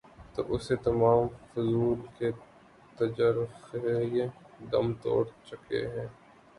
تو ایسے تمام فضول کے تجزیے دم توڑ چکے ہیں۔